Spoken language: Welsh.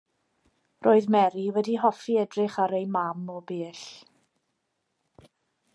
Roedd Mary wedi hoffi edrych ar ei mam o bell.